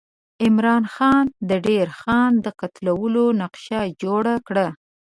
عمرا خان د دیر خان د قتلولو نقشه جوړه کړه.